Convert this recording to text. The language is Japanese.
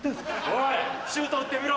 おいシュート打ってみろ。